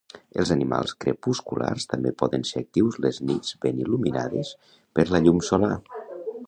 Els animals crepusculars també poden ser actius les nits ben il·luminades per la llum lunar.